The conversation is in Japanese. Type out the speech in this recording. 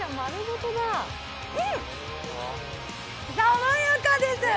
うん、爽やかです！